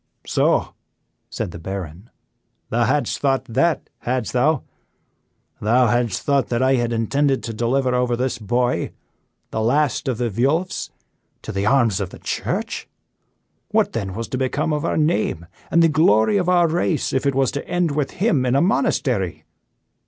"So!" said the Baron, "thou hadst thought that, hadst thou? Thou hadst thought that I had intended to deliver over this boy, the last of the Vuelphs, to the arms of the Church? What then was to become of our name and the glory of our race if it was to end with him in a monastery?